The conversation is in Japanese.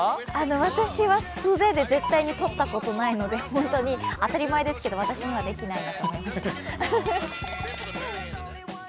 私は素手で１回もとったことはないので本当に当たり前ですけど私にはできないなと思いました。